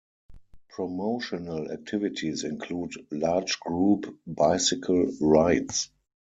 Promotional activities include large group bicycle rides.